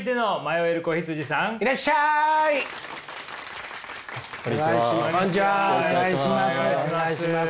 よろしくお願いします。